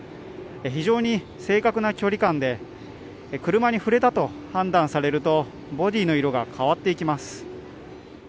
非常に正確な距離感で車に触れたと判断されるとボディの色が変わっていきます。